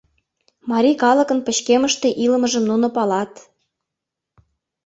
Марий калыкын пычкемыште илымыжым нуно палат...